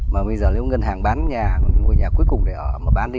mà bây giờ nếu ngân hàng bán nhà nuôi nhà cuối cùng để bán đi